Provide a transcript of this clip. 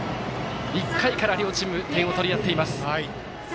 １回から両チーム点を取り合っています。